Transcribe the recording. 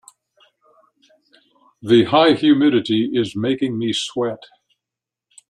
The high humidity is making me sweat.